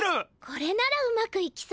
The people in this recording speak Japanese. これならうまくいきそうね。